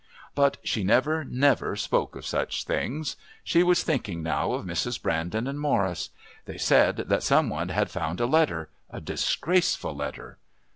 But she never, never spoke of such things. She was thinking now of Mrs. Brandon and Morris. They said that some one had found a letter, a disgraceful letter.